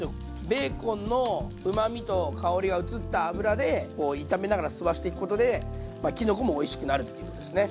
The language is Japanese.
ベーコンのうまみと香りが移った油で炒めながら吸わしていくことできのこもおいしくなるっていうことですね。